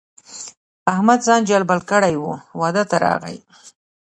احمد ځان جلبل کړی وو؛ واده ته راغی.